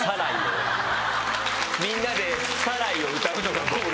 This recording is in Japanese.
みんなで『サライ』を歌うのがゴールですよ。